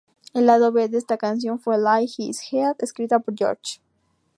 El lado B de esta canción fue "Lay His Head", escrita por George.